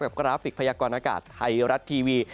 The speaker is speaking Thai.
กับกราฟิกพยากรอากาศไทยรัตน์ทีวี